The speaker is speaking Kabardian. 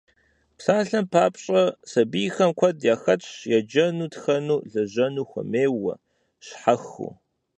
Псалъэм папщӀэ, сабийхэм куэд яхэтщ еджэну, тхэну, лэжьэну хуэмейуэ, щхьэхыу.